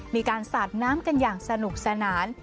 มีการสาดน้ำกันอย่างสนุกสนาน